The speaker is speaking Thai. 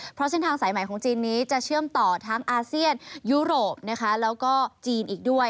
เพราะเส้นทางสายใหม่ของจีนนี้จะเชื่อมต่อทั้งอาเซียนยุโรปนะคะแล้วก็จีนอีกด้วย